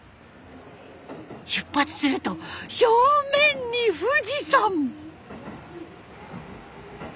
出発すると正面に富士山！